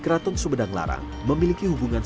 keraton sumedang larang memiliki hubungan